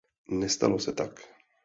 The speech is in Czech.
Nestalo se tak.